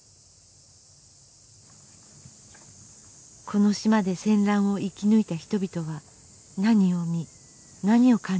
この島で戦乱を生き抜いた人々は何を見何を感じていたのか。